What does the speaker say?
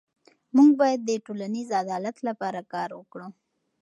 موږ باید د ټولنیز عدالت لپاره کار وکړو.